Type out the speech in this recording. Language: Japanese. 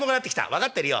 「分かってるよ。